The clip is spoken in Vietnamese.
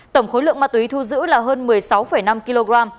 tổng khối lượng ma túy thu giữ là hơn một mươi sáu năm kg